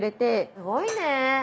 すごいね。